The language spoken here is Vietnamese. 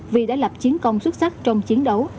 vì đã lập chiến công xuất sắc trong chiến đấu